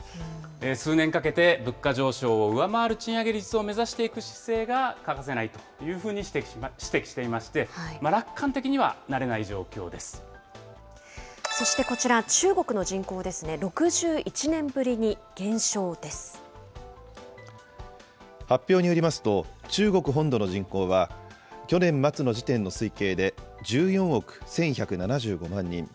数年かけて物価上昇を上回る賃上げ率を目指していく姿勢が欠かせないというふうに指摘していまして、そしてこちら、中国の人口で発表によりますと、中国本土の人口は、去年末の時点の推計で１４億１１７５万人。